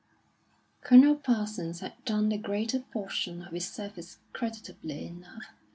Colonel Parsons had done the greater portion of his service creditably enough.